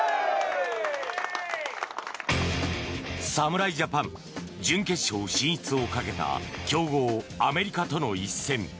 侍ジャパン準決勝進出をかけた強豪アメリカとの一戦。